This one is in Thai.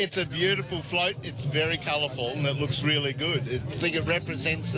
เช่นเดียวกับคนไทยในเนเธอแลนด์